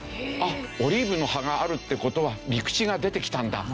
オリーブの葉があるっていう事は陸地が出てきたんだ。